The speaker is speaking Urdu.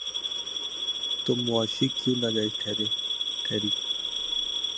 تو معاشی کیوں ناجائز ٹھہری؟